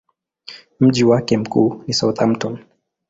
Mji wake mkuu ni Southampton.